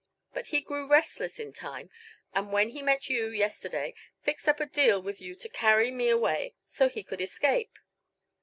But he grew restless in time, and when he met you, yesterday, fixed up a deal with you to carry me away, so he could escape."